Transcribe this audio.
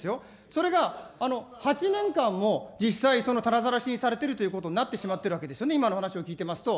それが８年間も実際、たなざらしにされているということになってしまってるわけですよね、今のお話を聞いてますと。